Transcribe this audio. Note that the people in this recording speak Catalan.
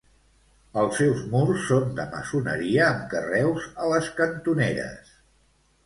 Els seus murs són de maçoneria amb carreus a les cantoneres.